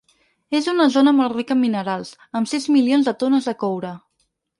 És una zona molt rica en minerals, amb sis milions de tones de coure.